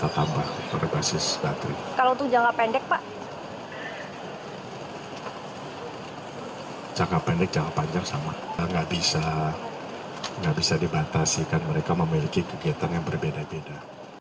tidak bisa dibatasikan mereka memiliki kegiatan yang berbeda beda